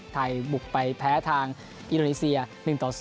ไทยบุกไปแพ้ทางอินโดนีเซีย๑ต่อ๐